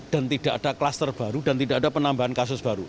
dan tidak ada klaster baru dan tidak ada penambahan kasus baru